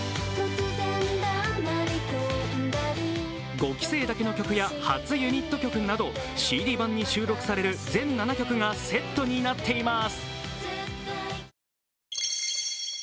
５期生だけの曲や初ユニット曲などＣＤ版に収録される全７曲がセットになっています。